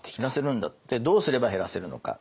どうすれば減らせるのか。